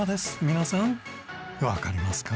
皆さんわかりますか？